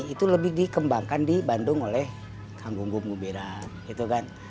itu lebih dikembangkan di bandung oleh kang gunggum gumbira gitu kan